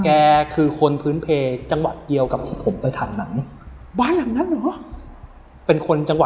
แกคือคนพื้นเพศจังหวัดเกี่ยวกับที่ผมไปถามน้ำบ้านหลังนั่นหรอ